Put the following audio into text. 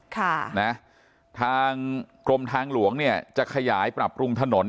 ค่ะนะทางกรมทางหลวงเนี่ยจะขยายปรับปรุงถนน